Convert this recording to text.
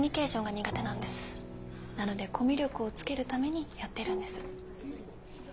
なのでコミュ力をつけるためにやってるんです。